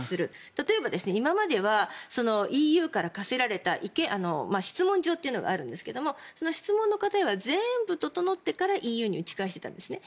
例えば今まではＥＵから課せられた質問状というのがあるんですがその質問の答えが全部整ってからＥＵに打ち返していたんですね。